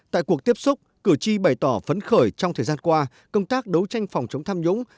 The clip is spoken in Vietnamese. tại cuộc tiếp xúc cử tri bày tỏ phấn khởi trong thời gian qua công tác đấu tranh phòng chống tham nhũng